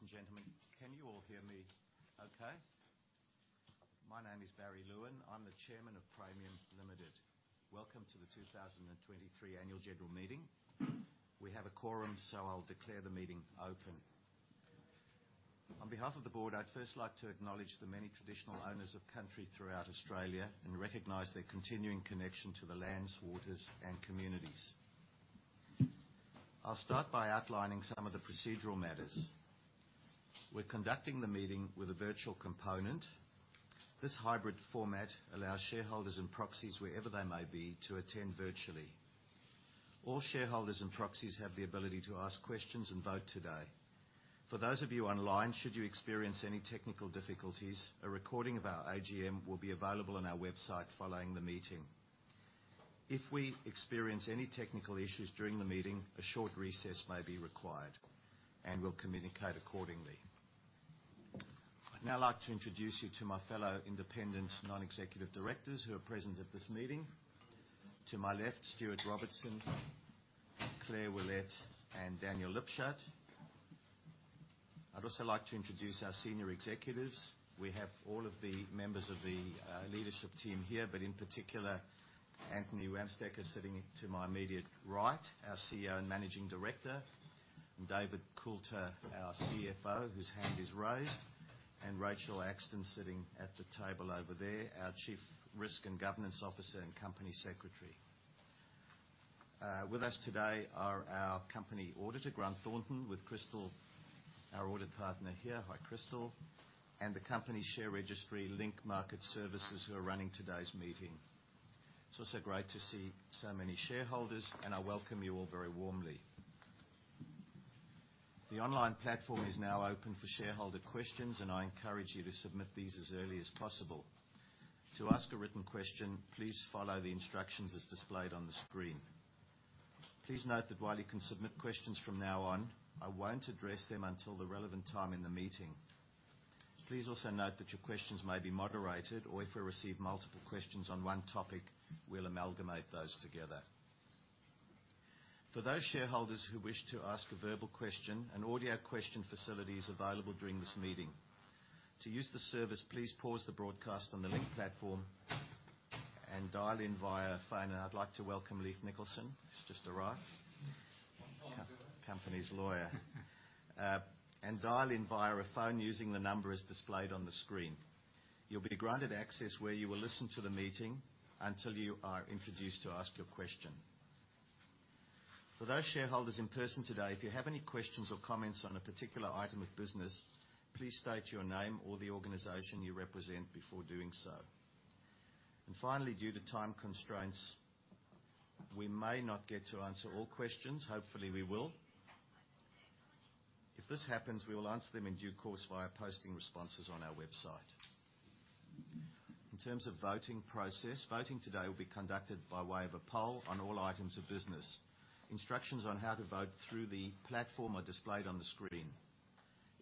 Good morning, ladies and gentlemen. Can you all hear me okay? My name is Barry Lewin. I'm the Chairman of Praemium Limited. Welcome to the 2023 annual general meeting. We have a quorum, so I'll declare the meeting open. On behalf of the board, I'd first like to acknowledge the many traditional owners of country throughout Australia and recognize their continuing connection to the lands, waters, and communities. I'll start by outlining some of the procedural matters. We're conducting the meeting with a virtual component. This hybrid format allows shareholders and proxies, wherever they may be, to attend virtually. All shareholders and proxies have the ability to ask questions and vote today. For those of you online, should you experience any technical difficulties, a recording of our AGM will be available on our website following the meeting. If we experience any technical issues during the meeting, a short recess may be required, and we'll communicate accordingly. I'd now like to introduce you to my fellow independent non-executive directors who are present at this meeting. To my left, Stuart Robertson, Claire Willette, and Daniel Lipshut. I'd also like to introduce our senior executives. We have all of the members of the leadership team here, but in particular, Anthony Wamsteker, sitting to my immediate right, our CEO and Managing Director, and David Coulter, our CFO, whose hand is raised, and Rachel Axton, sitting at the table over there, our Chief Risk and Governance Officer and Company Secretary. With us today are our company auditor, Grant Thornton, with Crystal, our audit partner, here. Hi, Crystal, and the company share registry Link Market Services, who are running today's meeting. It's also great to see so many shareholders, and I welcome you all very warmly. The online platform is now open for shareholder questions, and I encourage you to submit these as early as possible. To ask a written question, please follow the instructions as displayed on the screen. Please note that while you can submit questions from now on, I won't address them until the relevant time in the meeting. Please also note that your questions may be moderated, or if we receive multiple questions on one topic, we'll amalgamate those together. For those shareholders who wish to ask a verbal question, an audio question facility is available during this meeting. To use the service, please pause the broadcast on the Link platform and dial in via phone. I'd like to welcome Leith Nicholson, who's just arrived, company's lawyer. Dial in via a phone using the number as displayed on the screen. You'll be granted access, where you will listen to the meeting until you are introduced to ask your question. For those shareholders in person today, if you have any questions or comments on a particular item of business, please state your name or the organization you represent before doing so. Finally, due to time constraints, we may not get to answer all questions. Hopefully, we will. If this happens, we will answer them in due course via posting responses on our website. In terms of voting process, voting today will be conducted by way of a poll on all items of business. Instructions on how to vote through the platform are displayed on the screen.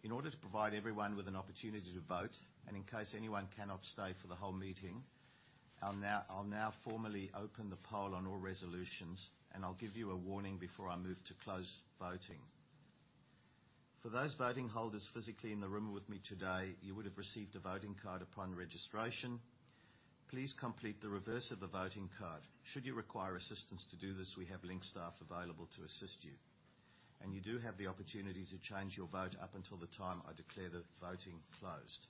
In order to provide everyone with an opportunity to vote, and in case anyone cannot stay for the whole meeting, I'll now formally open the poll on all resolutions, and I'll give you a warning before I move to close voting. For those voting holders physically in the room with me today, you would have received a voting card upon registration. Please complete the reverse of the voting card. Should you require assistance to do this, we have Link staff available to assist you, and you do have the opportunity to change your vote up until the time I declare the voting closed.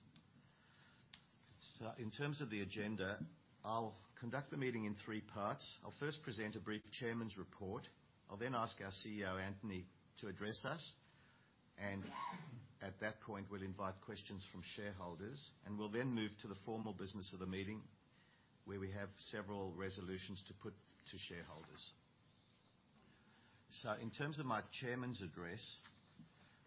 So in terms of the agenda, I'll conduct the meeting in three parts. I'll first present a brief chairman's report. I'll then ask our CEO, Anthony, to address us, and at that point, we'll invite questions from shareholders, and we'll then move to the formal business of the meeting, where we have several resolutions to put to shareholders. So in terms of my chairman's address,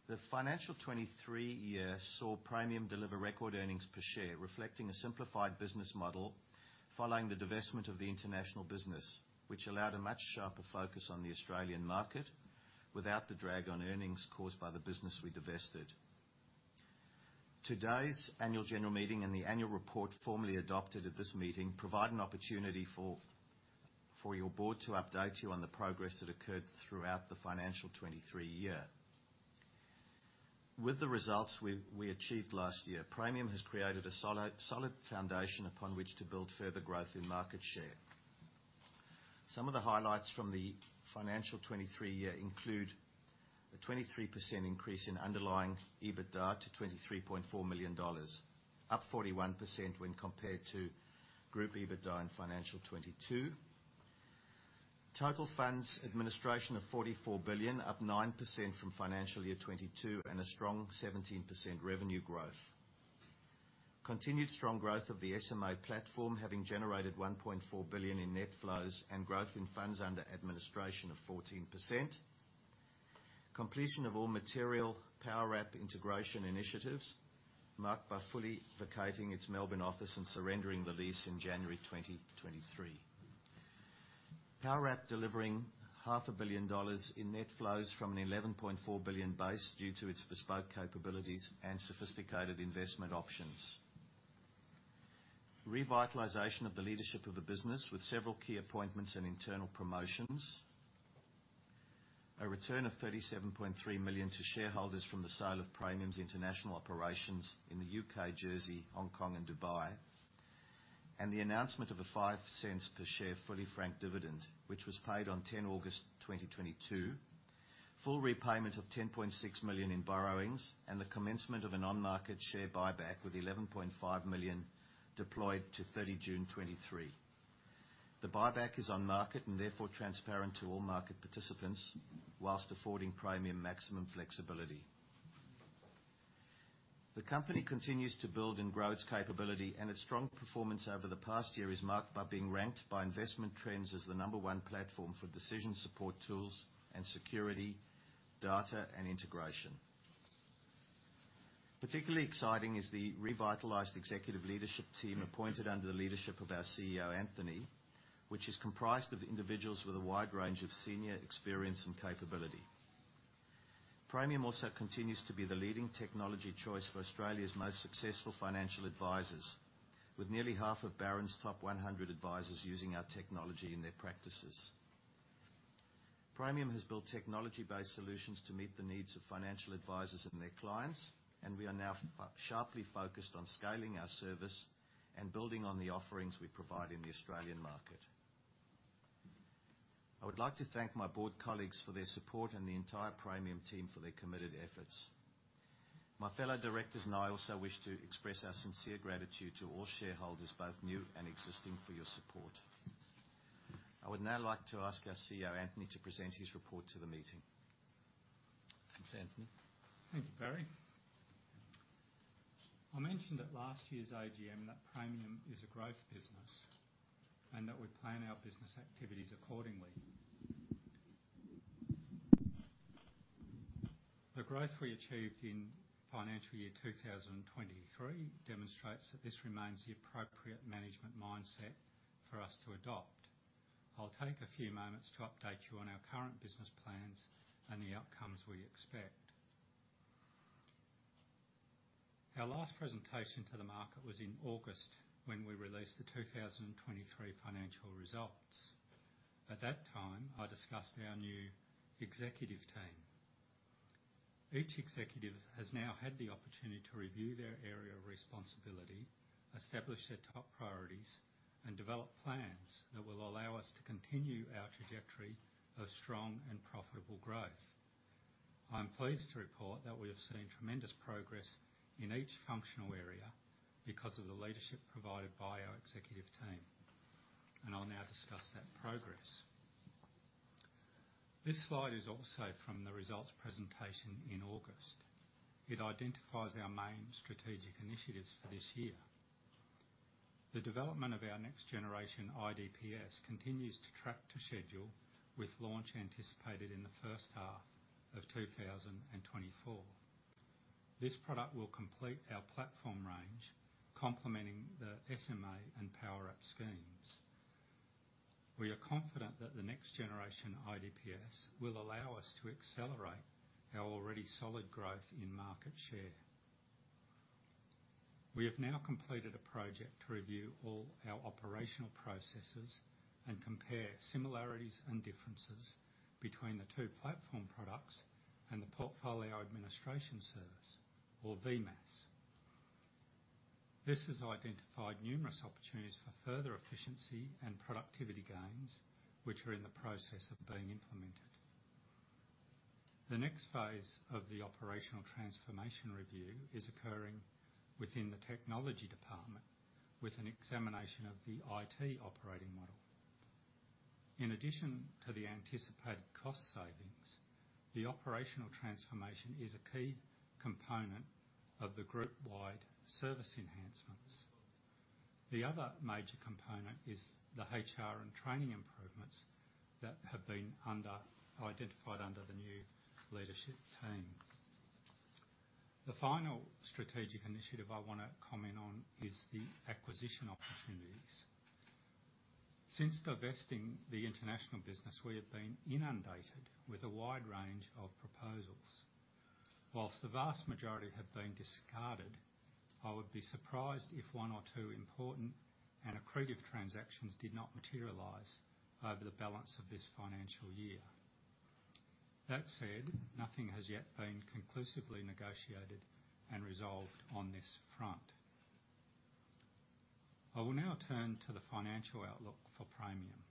the financial 2023 year saw Praemium deliver record earnings per share, reflecting a simplified business model following the divestment of the international business, which allowed a much sharper focus on the Australian market without the drag on earnings caused by the business we divested. Today's annual general meeting and the annual report formally adopted at this meeting provide an opportunity for your board to update you on the progress that occurred throughout the financial 2023 year. With the results we achieved last year, Praemium has created a solid foundation upon which to build further growth in market share. Some of the highlights from the financial year 2023 include: a 23% increase in underlying EBITDA to 23.4 million dollars, up 41% when compared to group EBITDA in financial year 2022. Total funds administration of 44 billion, up 9% from financial year 2022, and a strong 17% revenue growth. Continued strong growth of the SMA platform, having generated 1.4 billion in net flows and growth in funds under administration of 14%. Completion of all material Powerwrap integration initiatives, marked by fully vacating its Melbourne office and surrendering the lease in January 2023. Powerwrap delivering 0.5 billion dollars in net flows from an 11.4 billion base due to its bespoke capabilities and sophisticated investment options.... Revitalization of the leadership of the business, with several key appointments and internal promotions. A return of 37.3 million to shareholders from the sale of Praemium's international operations in the U.K., Jersey, Hong Kong, and Dubai. And the announcement of a 0.05 per share fully franked dividend, which was paid on August 10, 2022. Full repayment of 10.6 million in borrowings, and the commencement of an on-market share buyback, with 11.5 million deployed to June 30, 2023. The buyback is on market, and therefore transparent to all market participants, while affording Praemium maximum flexibility. The company continues to build and grow its capability, and its strong performance over the past year is marked by being ranked by Investment Trends as the number one platform for decision support tools and security, data, and integration. Particularly exciting is the revitalized executive leadership team, appointed under the leadership of our CEO, Anthony, which is comprised of individuals with a wide range of senior experience and capability. Praemium also continues to be the leading technology choice for Australia's most successful financial advisors, with nearly half of Barron's Top 100 advisors using our technology in their practices. Praemium has built technology-based solutions to meet the needs of financial advisors and their clients, and we are now sharply focused on scaling our service and building on the offerings we provide in the Australian market. I would like to thank my board colleagues for their support and the entire Praemium team for their committed efforts. My fellow directors and I also wish to express our sincere gratitude to all shareholders, both new and existing, for your support. I would now like to ask our CEO, Anthony, to present his report to the meeting. Thanks, Anthony. Thank you, Barry. I mentioned at last year's AGM that Praemium is a growth business, and that we plan our business activities accordingly. The growth we achieved in financial year 2023 demonstrates that this remains the appropriate management mindset for us to adopt. I'll take a few moments to update you on our current business plans and the outcomes we expect. Our last presentation to the market was in August, when we released the 2023 financial results. At that time, I discussed our new executive team. Each executive has now had the opportunity to review their area of responsibility, establish their top priorities, and develop plans that will allow us to continue our trajectory of strong and profitable growth. I'm pleased to report that we have seen tremendous progress in each functional area because of the leadership provided by our executive team, and I'll now discuss that progress. This slide is also from the results presentation in August. It identifies our main strategic initiatives for this year. The development of our next generation IDPS continues to track to schedule, with launch anticipated in the first half of 2024. This product will complete our platform range, complementing the SMA and Powerwrap schemes. We are confident that the next generation IDPS will allow us to accelerate our already solid growth in market share. We have now completed a project to review all our operational processes and compare similarities and differences between the two platform products and the portfolio administration service or VMAs. This has identified numerous opportunities for further efficiency and productivity gains, which are in the process of being implemented. The next phase of the operational transformation review is occurring within the technology department, with an examination of the IT operating model. In addition to the anticipated cost savings, the operational transformation is a key component of the group-wide service enhancements. The other major component is the HR and training improvements that have been under-identified under the new leadership team. The final strategic initiative I want to comment on is the acquisition opportunities. Since divesting the international business, we have been inundated with a wide range of proposals. Whilst the vast majority have been discarded, I would be surprised if one or two important and accretive transactions did not materialize over the balance of this financial year. That said, nothing has yet been conclusively negotiated and resolved on this front. I will now turn to the financial outlook for Praemium.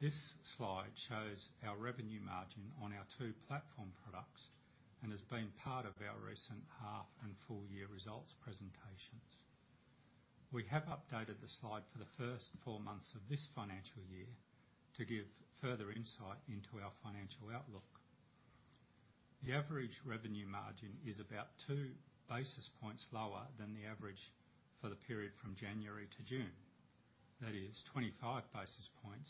This slide shows our revenue margin on our two platform products and has been part of our recent half and full year results presentations. We have updated the slide for the first 4 months of this financial year to give further insight into our financial outlook. The average revenue margin is about 2 basis points lower than the average for the period from January to June. That is 25 basis points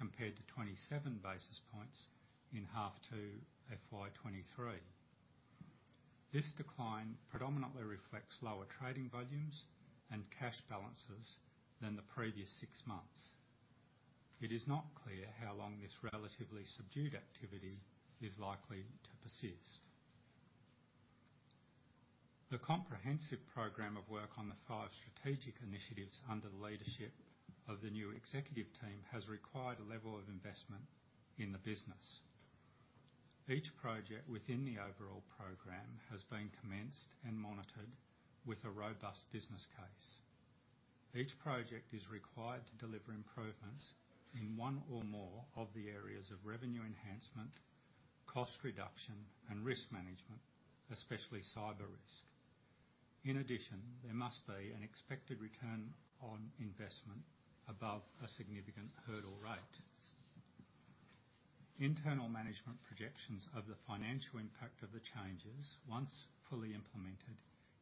compared to 27 basis points in H2 FY 2023. This decline predominantly reflects lower trading volumes and cash balances than the previous 6 months. It is not clear how long this relatively subdued activity is likely to persist... The comprehensive program of work on the 5 strategic initiatives under the leadership of the new executive team has required a level of investment in the business. Each project within the overall program has been commenced and monitored with a robust business case. Each project is required to deliver improvements in one or more of the areas of revenue enhancement, cost reduction, and risk management, especially cyber risk. In addition, there must be an expected return on investment above a significant hurdle rate. Internal management projections of the financial impact of the changes, once fully implemented,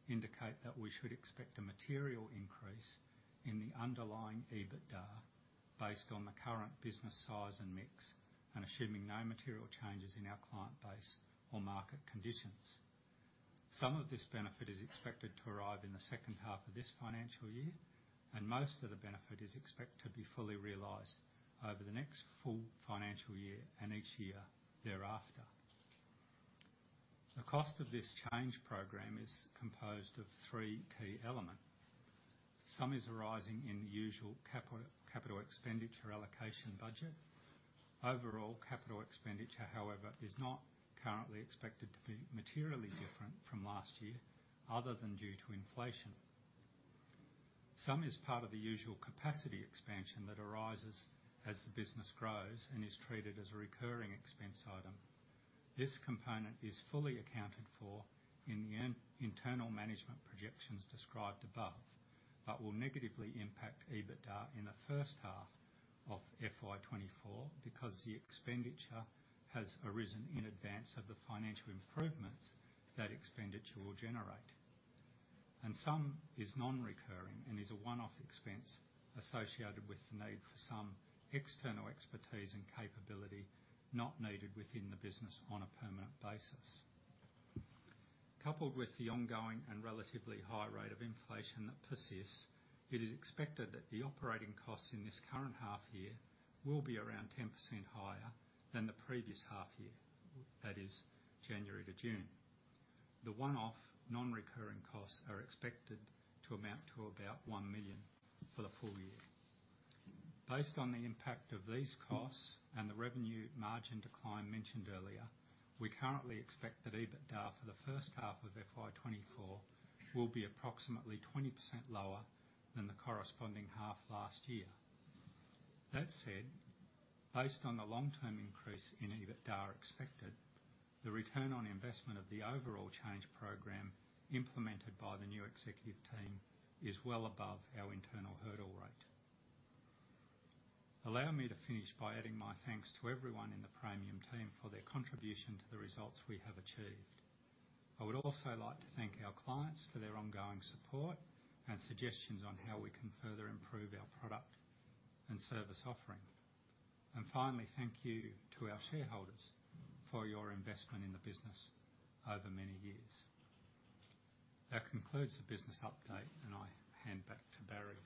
indicate that we should expect a material increase in the underlying EBITDA based on the current business size and mix, and assuming no material changes in our client base or market conditions. Some of this benefit is expected to arrive in the second half of this financial year, and most of the benefit is expected to be fully realized over the next full financial year and each year thereafter. The cost of this change program is composed of three key elements. Some is arising in the usual capital expenditure allocation budget. Overall, capital expenditure, however, is not currently expected to be materially different from last year, other than due to inflation. Some is part of the usual capacity expansion that arises as the business grows and is treated as a recurring expense item. This component is fully accounted for in the internal management projections described above, but will negatively impact EBITDA in the first half of FY 2024 because the expenditure has arisen in advance of the financial improvements that expenditure will generate. Some is non-recurring and is a one-off expense associated with the need for some external expertise and capability not needed within the business on a permanent basis. Coupled with the ongoing and relatively high rate of inflation that persists, it is expected that the operating costs in this current half year will be around 10% higher than the previous half year, that is January to June. The one-off, non-recurring costs are expected to amount to about 1 million for the full year. Based on the impact of these costs and the revenue margin decline mentioned earlier, we currently expect that EBITDA for the first half of FY 2024 will be approximately 20% lower than the corresponding half last year. That said, based on the long-term increase in EBITDA expected, the return on investment of the overall change program implemented by the new executive team is well above our internal hurdle rate. Allow me to finish by adding my thanks to everyone in the Praemium team for their contribution to the results we have achieved. I would also like to thank our clients for their ongoing support and suggestions on how we can further improve our product and service offering. Finally, thank you to our shareholders for your investment in the business over many years. That concludes the business update, and I hand back to Barry.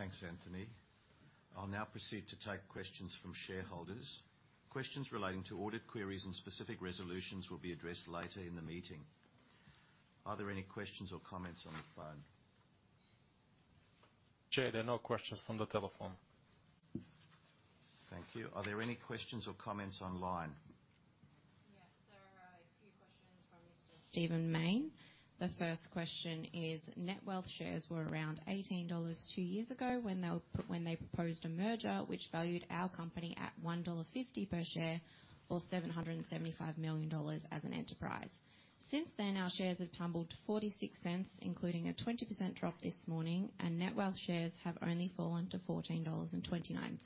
Thanks, Anthony. I'll now proceed to take questions from shareholders. Questions relating to audit queries and specific resolutions will be addressed later in the meeting. Are there any questions or comments on the phone? Jay, there are no questions from the telephone. Thank you. Are there any questions or comments online? Yes, there are a few questions from Mr. Stephen Mayne. The first question is: Netwealth shares were around 18 dollars two years ago, when they proposed a merger which valued our company at 1.50 dollar per share or 775 million dollars as an enterprise. Since then, our shares have tumbled to 0.46, including a 20% drop this morning, and Netwealth shares have only fallen to 14.29 dollars.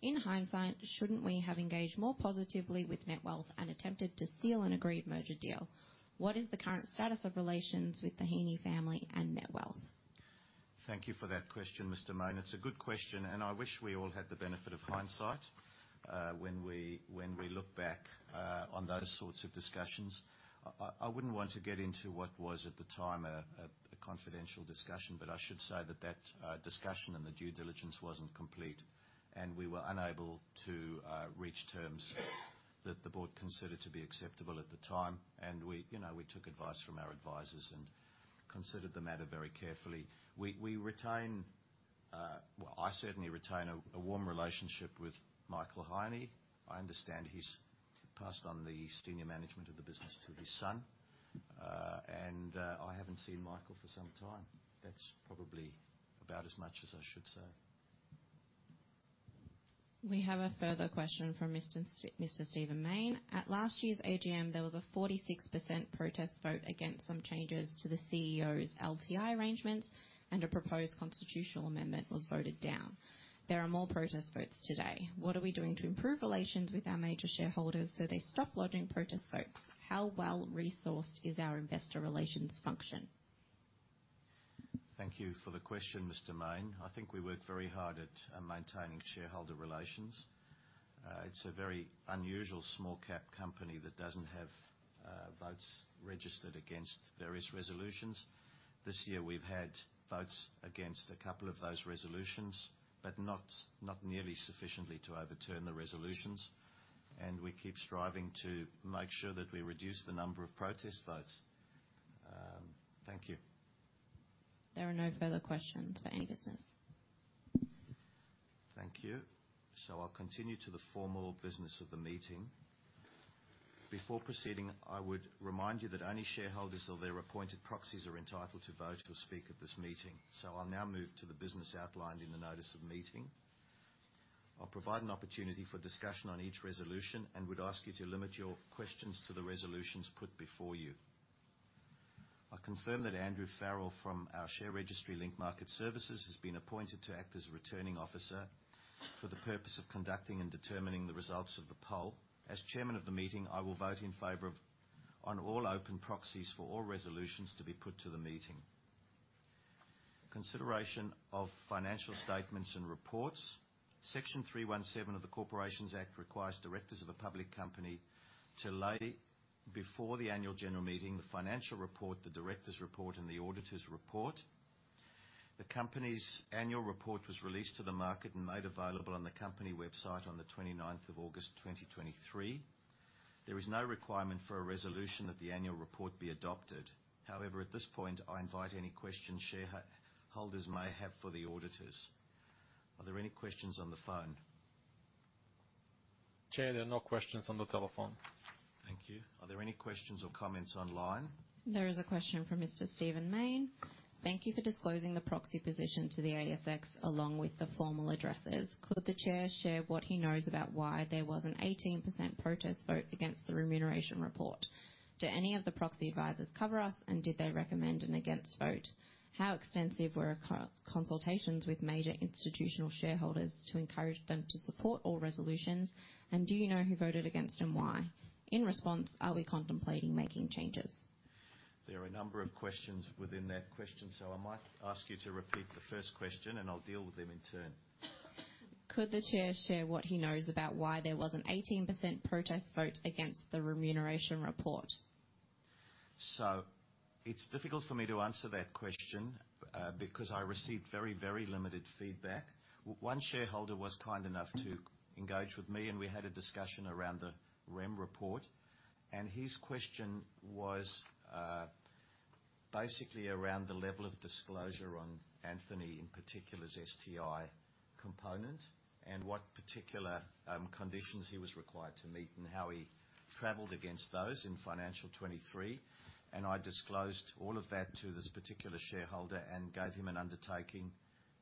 In hindsight, shouldn't we have engaged more positively with Netwealth and attempted to seal an agreed merger deal? What is the current status of relations with the Heine family and Netwealth? Thank you for that question, Mr. Mayne. It's a good question, and I wish we all had the benefit of hindsight, when we look back, on those sorts of discussions. I wouldn't want to get into what was, at the time, a confidential discussion, but I should say that discussion and the due diligence wasn't complete, and we were unable to reach terms that the board considered to be acceptable at the time. We, you know, took advice from our advisors and considered the matter very carefully. We retain... Well, I certainly retain a warm relationship with Michael Heine. I understand he's passed on the senior management of the business to his son, and I haven't seen Michael for some time. That's probably about as much as I should say. We have a further question from Mr. Stephen Mayne. At last year's AGM, there was a 46% protest vote against some changes to the CEO's LTI arrangements, and a proposed constitutional amendment was voted down. There are more protest votes today. What are we doing to improve relations with our major shareholders so they stop lodging protest votes? How well-resourced is our investor relations function? Thank you for the question, Mr. Mayne. I think we work very hard at maintaining shareholder relations. It's a very unusual small-cap company that doesn't have votes registered against various resolutions. This year, we've had votes against a couple of those resolutions, but not nearly sufficiently to overturn the resolutions, and we keep striving to make sure that we reduce the number of protest votes. Thank you. There are no further questions for any business. Thank you. So I'll continue to the formal business of the meeting. Before proceeding, I would remind you that only shareholders or their appointed proxies are entitled to vote or speak at this meeting. So I'll now move to the business outlined in the notice of meeting. I'll provide an opportunity for discussion on each resolution and would ask you to limit your questions to the resolutions put before you. I confirm that Andrew Farrell from our share registry Link Market Services has been appointed to act as a returning officer for the purpose of conducting and determining the results of the poll. As chairman of the meeting, I will vote in favor of, on all open proxies for all resolutions to be put to the meeting. Consideration of financial statements and reports. Section 317 of the Corporations Act requires directors of a public company to lay before the annual general meeting, the financial report, the directors' report, and the auditors' report. The company's annual report was released to the market and made available on the company website on the twenty-ninth of August, 2023. There is no requirement for a resolution that the annual report be adopted. However, at this point, I invite any questions shareholders may have for the auditors. Are there any questions on the phone? Chair, there are no questions on the telephone. Thank you. Are there any questions or comments online? There is a question from Mr. Stephen Mayne: Thank you for disclosing the proxy position to the ASX, along with the formal addresses. Could the Chair share what he knows about why there was an 18% protest vote against the remuneration report? Do any of the proxy advisors cover us, and did they recommend an against vote? How extensive were co-consultations with major institutional shareholders to encourage them to support all resolutions? And do you know who voted against and why? In response, are we contemplating making changes? There are a number of questions within that question, so I might ask you to repeat the first question, and I'll deal with them in turn. Could the Chair share what he knows about why there was an 18% protest vote against the remuneration report? So it's difficult for me to answer that question, because I received very, very limited feedback. One shareholder was kind enough to engage with me, and we had a discussion around the REM report, and his question was, basically around the level of disclosure on Anthony, in particular, his STI component and what particular conditions he was required to meet and how he traveled against those in FY 2023. And I disclosed all of that to this particular shareholder and gave him an undertaking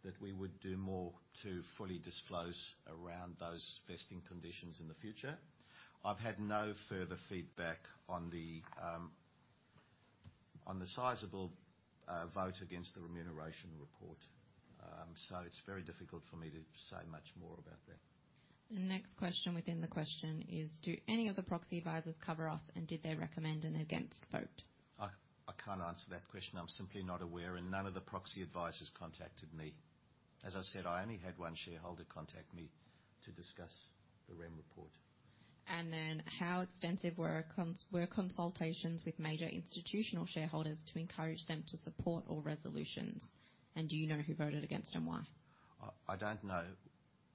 that we would do more to fully disclose around those vesting conditions in the future. I've had no further feedback on the, on the sizable vote against the remuneration report. So it's very difficult for me to say much more about that. The next question within the question is: Do any of the proxy advisors cover us, and did they recommend an against vote? I can't answer that question. I'm simply not aware, and none of the proxy advisors contacted me. As I said, I only had one shareholder contact me to discuss the REM report. Then, how extensive were consultations with major institutional shareholders to encourage them to support all resolutions? And do you know who voted against and why? I don't know.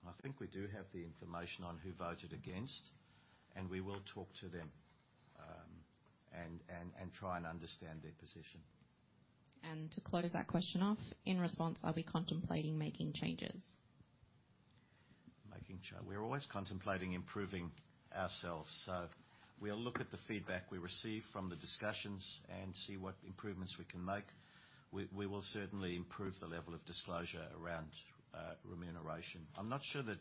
I think we do have the information on who voted against, and we will talk to them, and try and understand their position. To close that question off, in response, are we contemplating making changes? We are always contemplating improving ourselves, so we'll look at the feedback we receive from the discussions and see what improvements we can make. We will certainly improve the level of disclosure around remuneration. I'm not sure that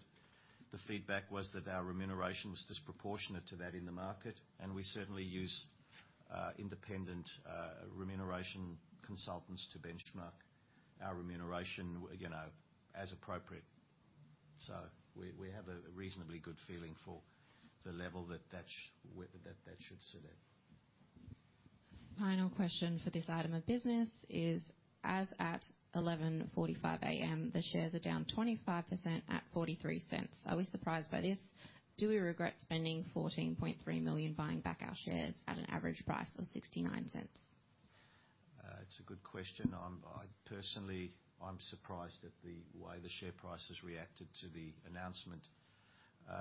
the feedback was that our remuneration was disproportionate to that in the market, and we certainly use independent remuneration consultants to benchmark our remuneration, you know, as appropriate. So we have a reasonably good feeling for the level that should sit in. Final question for this item of business is: As at 11:45 A.M., the shares are down 25% at 0.43. Are we surprised by this? Do we regret spending 14.3 million, buying back our shares at an average price of 0.69? It's a good question. Personally, I'm surprised at the way the share price has reacted to the announcement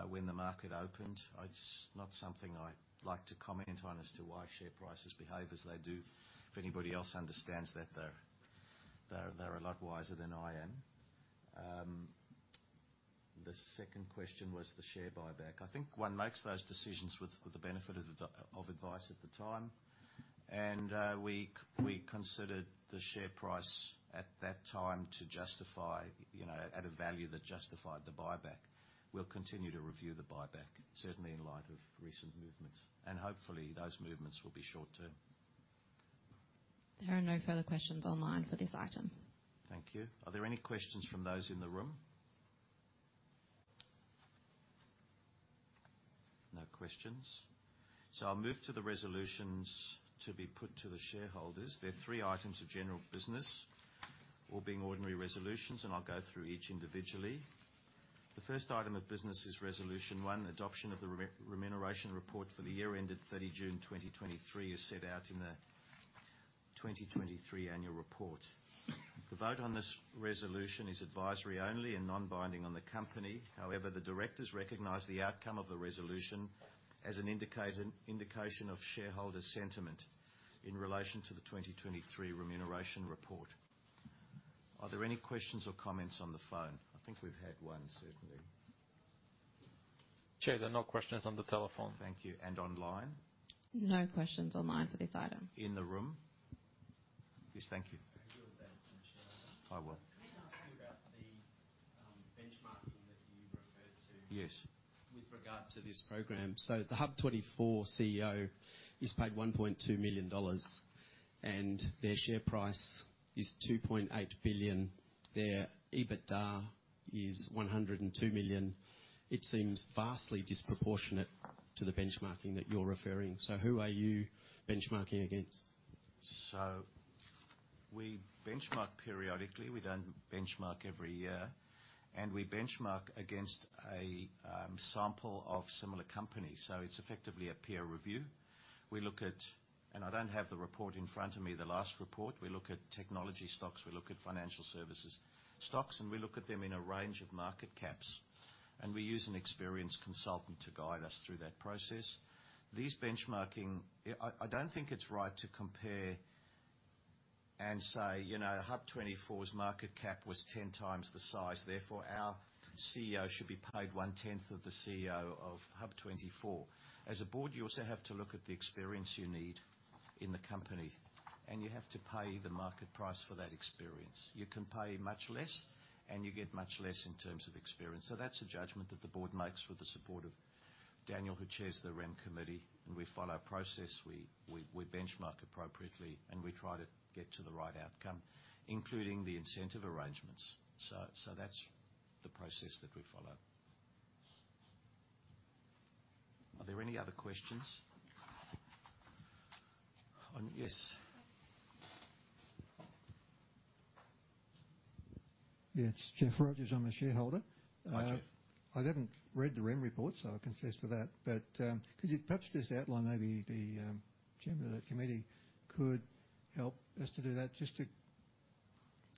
when the market opened. It's not something I'd like to comment on as to why share prices behave as they do. If anybody else understands that, they're a lot wiser than I am. The second question was the share buyback. I think one makes those decisions with the benefit of advice at the time, and we considered the share price at that time to justify, you know, at a value that justified the buyback. We'll continue to review the buyback, certainly in light of recent movements, and hopefully, those movements will be short-term. There are no further questions online for this item. Thank you. Are there any questions from those in the room? No questions. So I'll move to the resolutions to be put to the shareholders. There are three items of general business... all being ordinary resolutions, and I'll go through each individually. The first item of business is Resolution one, adoption of the remuneration report for the year ended June 30 2023, as set out in the 2023 annual report. The vote on this resolution is advisory only and non-binding on the company. However, the directors recognize the outcome of the resolution as an indication of shareholder sentiment in relation to the 2023 remuneration report. Are there any questions or comments on the phone? I think we've had one, certainly. Chair, there are no questions on the telephone. Thank you. And online? No questions online for this item. In the room? Yes, thank you. You're welcome, Chair. I will. Can I ask you about the benchmarking that you referred to- Yes With regard to this program. So the HUB24 CEO is paid 1.2 million dollars, and their share price is 2.8 billion. Their EBITDA is 102 million. It seems vastly disproportionate to the benchmarking that you're referring. So who are you benchmarking against? So we benchmark periodically. We don't benchmark every year, and we benchmark against a sample of similar companies, so it's effectively a peer review. We look at... I don't have the report in front of me, the last report. We look at technology stocks, we look at financial services stocks, and we look at them in a range of market caps, and we use an experienced consultant to guide us through that process. These benchmarking, I don't think it's right to compare and say: You know, HUB24's market cap was ten times the size, therefore our CEO should be paid one tenth of the CEO of HUB24. As a board, you also have to look at the experience you need in the company, and you have to pay the market price for that experience. You can pay much less, and you get much less in terms of experience. So that's a judgment that the board makes with the support of Daniel, who chairs the REM committee, and we follow a process. We benchmark appropriately, and we try to get to the right outcome, including the incentive arrangements. So that's the process that we follow. Are there any other questions? Yes. Yes, Jeff Rogers, I'm a shareholder. Hi, Jeff. I haven't read the REM report, so I confess to that, but could you perhaps just outline, maybe the chairman of the committee could help us to do that? Just to—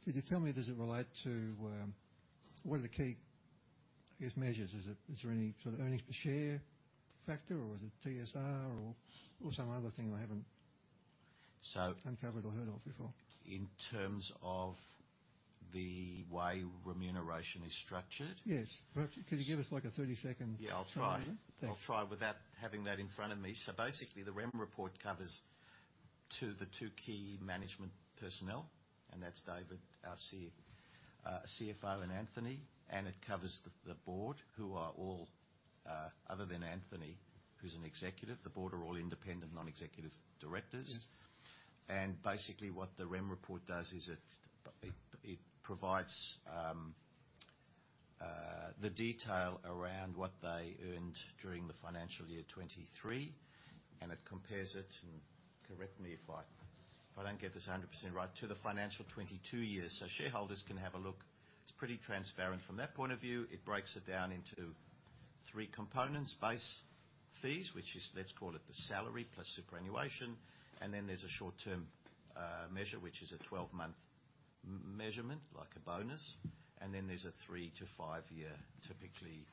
Could you tell me, does it relate to what are the key, I guess, measures? Is it, is there any sort of earnings per share factor, or is it TSR, or some other thing I haven't- So- uncovered or heard of before? In terms of the way remuneration is structured? Yes. Perfect. Could you give us, like, a 30-second- Yeah, I'll try. Thanks. I'll try without having that in front of me. So basically, the REM report covers to the two key management personnel, and that's David, our CFO, and Anthony, and it covers the board, who are all Other than Anthony, who's an executive, the board are all independent, non-executive directors. Yes. Basically, what the REM report does is it provides the detail around what they earned during the financial year 2023, and it compares it, and correct me if I don't get this 100% right, to the financial year 2022. So shareholders can have a look. It's pretty transparent from that point of view. It breaks it down into three components: base fees, which is, let's call it, the salary plus superannuation, and then there's a short-term measure, which is a 12-month measurement, like a bonus, and then there's a three to five year, typically,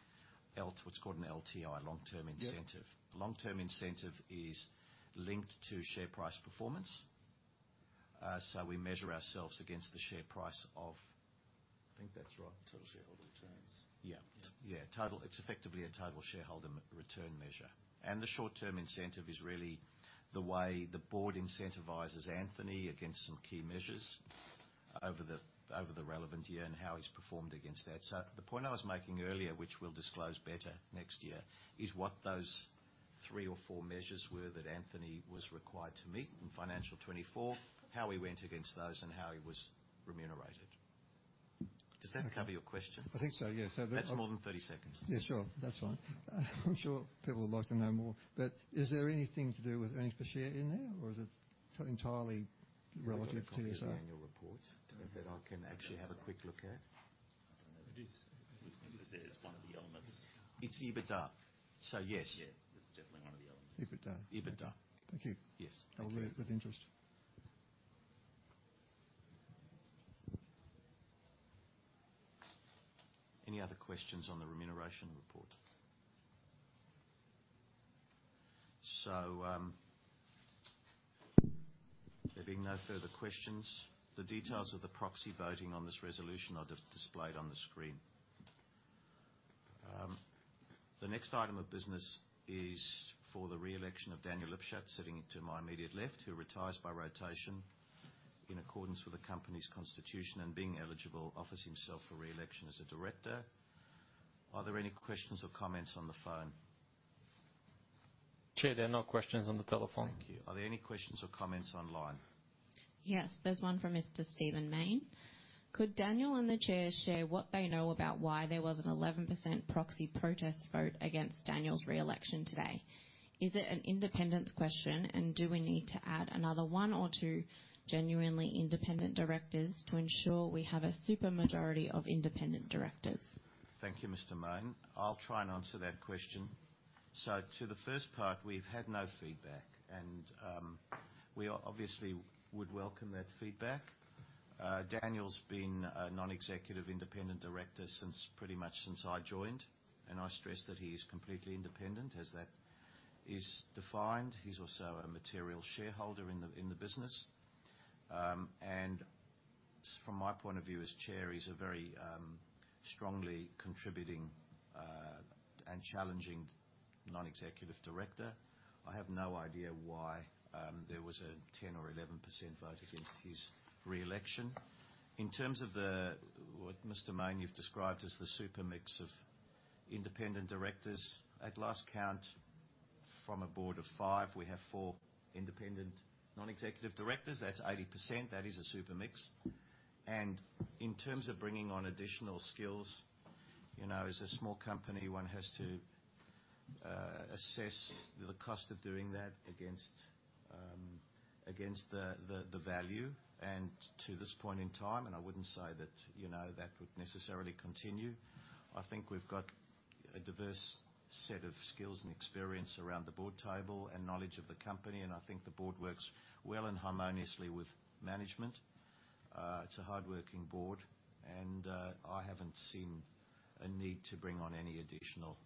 what's called an LTI, long-term incentive. Yep. Long-term incentive is linked to share price performance. So we measure ourselves against the share price, I think that's right, total shareholder returns. Yeah. Yeah. Yeah, total. It's effectively a total shareholder return measure. And the short-term incentive is really the way the board incentivizes Anthony against some key measures over the relevant year and how he's performed against that. So the point I was making earlier, which we'll disclose better next year, is what those three or four measures were that Anthony was required to meet in financial 2024, how he went against those, and how he was remunerated. Does that cover your question? I think so, yes. So the- That's more than 30 seconds. Yeah, sure. That's fine. I'm sure people would like to know more, but is there anything to do with earnings per share in there, or is it entirely relative to TSR? There's a copy in the annual report that I can actually have a quick look at. I don't know. It is. There's one of the elements. It's EBITDA. So yes. Yeah, it's definitely one of the elements. EBITDA. EBITDA. Thank you. Yes. I'll read it with interest. Any other questions on the remuneration report? So, there being no further questions, the details of the proxy voting on this resolution are displayed on the screen. The next item of business is for the re-election of Daniel Lipshut, sitting to my immediate left, who retires by rotation in accordance with the company's constitution, and being eligible, offers himself for re-election as a director. Are there any questions or comments on the phone? Chair, there are no questions on the telephone. Thank you. Are there any questions or comments online? Yes, there's one from Mr. Stephen Mayne: Could Daniel and the Chair share what they know about why there was an 11% proxy protest vote against Daniel's re-election today? Is it an independence question, and do we need to add another one or two genuinely independent directors to ensure we have a super majority of independent directors?... Thank you, Mr. Mayne. I'll try and answer that question. So to the first part, we've had no feedback, and, we obviously would welcome that feedback. Daniel's been a non-executive independent director since pretty much since I joined, and I stress that he is completely independent as that is defined. He's also a material shareholder in the, in the business. And from my point of view as chair, he's a very, strongly contributing, and challenging non-executive director. I have no idea why, there was a 10% or 11% vote against his re-election. In terms of the, what, Mr. Mayne, you've described as the super mix of independent directors, at last count, from a board of five, we have four independent non-executive directors. That's 80%. That is a super mix. In terms of bringing on additional skills, you know, as a small company, one has to assess the cost of doing that against the value. To this point in time, and I wouldn't say that, you know, that would necessarily continue, I think we've got a diverse set of skills and experience around the board table and knowledge of the company, and I think the board works well and harmoniously with management. It's a hardworking board, and I haven't seen a need to bring on any additional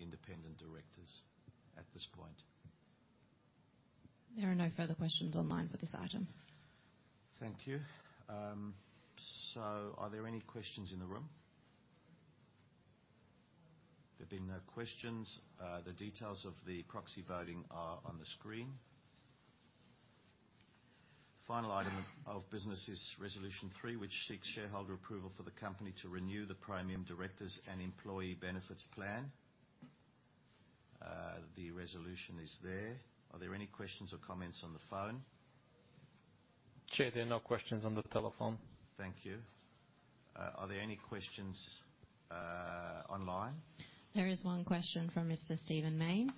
independent directors at this point. There are no further questions online for this item. Thank you. So are there any questions in the room? There being no questions, the details of the proxy voting are on the screen. Final item of business is resolution three, which seeks shareholder approval for the company to renew the Praemium directors and employee benefits plan. The resolution is there. Are there any questions or comments on the phone? Chair, there are no questions on the telephone. Thank you. Are there any questions online? There is one question from Mr. Stephen Mayne.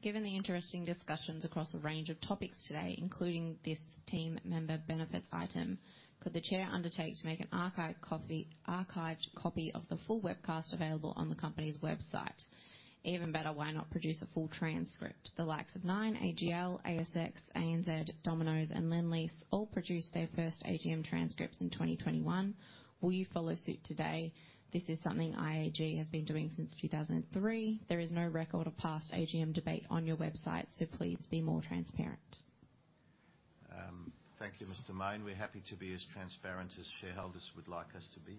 "Given the interesting discussions across a range of topics today, including this team member benefits item, could the chair undertake to make an archive copy, archived copy of the full webcast available on the company's website? Even better, why not produce a full transcript? The likes of Nine, AGL, ASX, ANZ, Domino's, and Lendlease all produced their first AGM transcripts in 2021. Will you follow suit today? This is something IAG has been doing since 2003. There is no record of past AGM debate on your website, so please be more transparent. Thank you, Mr. Mayne. We're happy to be as transparent as shareholders would like us to be.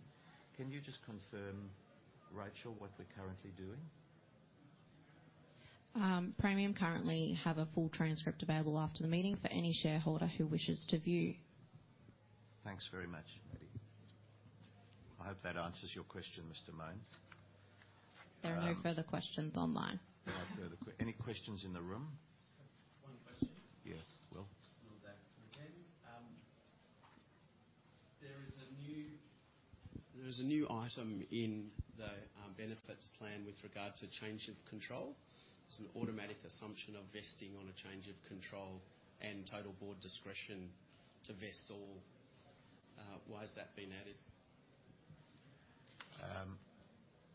Can you just confirm, Rachel, what we're currently doing? Praemium currently have a full transcript available after the meeting for any shareholder who wishes to view. Thanks very much. I hope that answers your question, Mr. Mayne. There are no further questions online. No further questions? Any questions in the room? One question. Yes, Will. Will Dax again. There is a new item in the benefits plan with regard to change of control. It's an automatic assumption of vesting on a change of control and total board discretion to vest all. Why has that been added?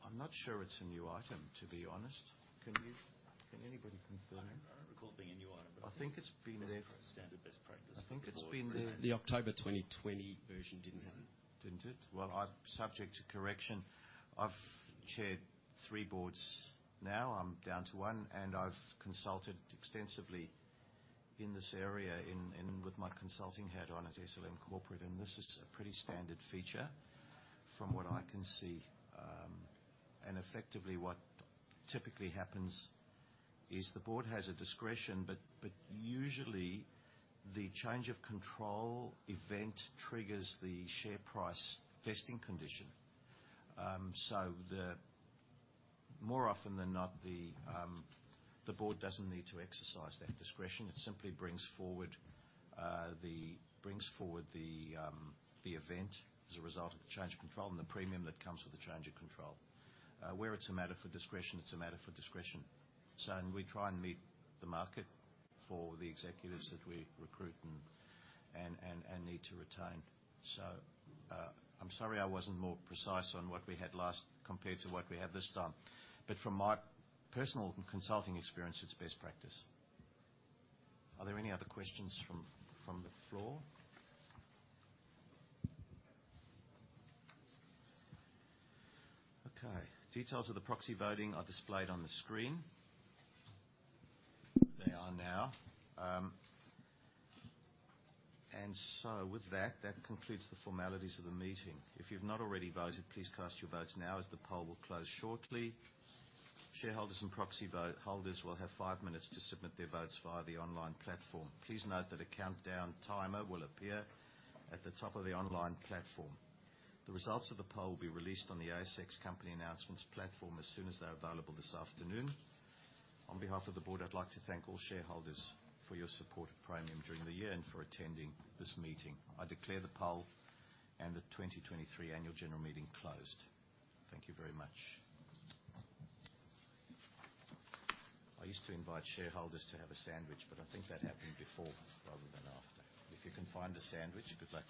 I'm not sure it's a new item, to be honest. Can anybody confirm? I don't recall it being a new item. I think it's been there. Standard best practice. I think it's been there. The October 2020 version didn't have it. Didn't it? Well, I'm subject to correction. I've chaired three boards now. I'm down to one, and I've consulted extensively in this area in with my consulting hat on at SLM Corporate, and this is a pretty standard feature from what I can see. And effectively, what typically happens is the board has a discretion, but usually the change of control event triggers the share price vesting condition. So more often than not, the board doesn't need to exercise that discretion. It simply brings forward the event as a result of the change of control and the premium that comes with the change of control. Where it's a matter for discretion, it's a matter for discretion. So, we try and meet the market for the executives that we recruit and need to retain. So, I'm sorry I wasn't more precise on what we had last compared to what we have this time, but from my personal consulting experience, it's best practice. Are there any other questions from the floor? Okay, details of the proxy voting are displayed on the screen. They are now. And so with that, that concludes the formalities of the meeting. If you've not already voted, please cast your votes now, as the poll will close shortly. Shareholders and proxy vote holders will have five minutes to submit their votes via the online platform. Please note that a countdown timer will appear at the top of the online platform. The results of the poll will be released on the ASX company announcements platform as soon as they're available this afternoon. On behalf of the board, I'd like to thank all shareholders for your support of Praemium during the year and for attending this meeting. I declare the poll and the 2023 Annual General Meeting closed. Thank you very much. I used to invite shareholders to have a sandwich, but I think that happened before rather than after. If you can find a sandwich, good luck.